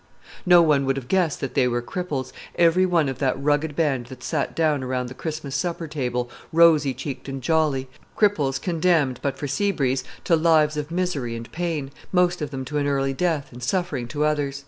No one would have guessed that they were cripples, every one of that rugged band that sat down around the Christmas supper table, rosy cheeked and jolly cripples condemned, but for Sea Breeze, to lives of misery and pain, most of them to an early death and suffering to others.